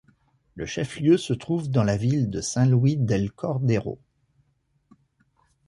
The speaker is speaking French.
Le chef-lieu se trouve dans la ville de San Luis del Cordero.